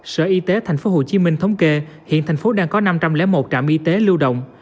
sở y tế tp hcm thống kê hiện thành phố đang có năm trăm linh một trạm y tế lưu động